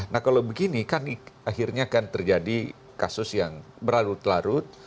nah kalau begini kan akhirnya kan terjadi kasus yang berlarut larut